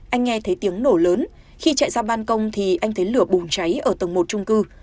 anh nghe thấy tiếng nổ lớn khi chạy ra ban công thì anh thấy lửa bùng cháy ở tầng một trung cư